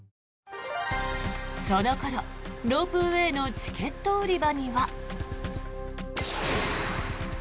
その頃、ロープウェーのチケット売り場には。